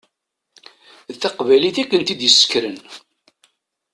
D taqbaylit i kent-id-yessekren.